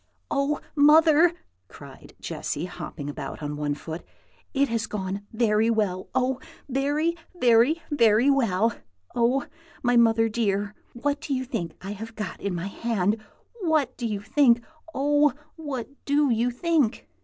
"Oh, mother!" cried Jessy, hopping about on one foot, "it has gone very well! oh, very, very, very well! Oh, my mother dear, what do you think I have got in my hand? What do you think? oh, what do you think?"